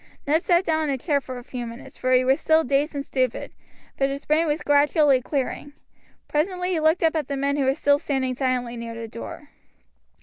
Ned sat down in a chair for a few minutes, for he was still dazed and stupid; but his brain was gradually clearing. Presently he looked up at the men who were still standing silently near the door.